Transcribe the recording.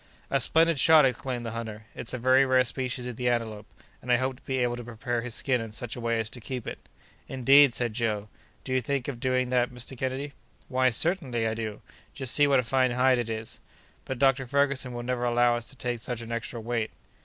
"A splendid shot!" exclaimed the hunter. "It's a very rare species of the antelope, and I hope to be able to prepare his skin in such a way as to keep it." "Indeed!" said Joe, "do you think of doing that, Mr. Kennedy?" "Why, certainly I do! Just see what a fine hide it is!" "But Dr. Ferguson will never allow us to take such an extra weight!"